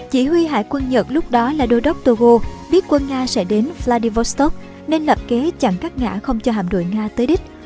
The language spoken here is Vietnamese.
chỉ huy hải quân nhật lúc đó là đô đốc togo biết quân nga sẽ đến vladivostok nên lập kế chặn các ngã không cho hạm đội nga tới đích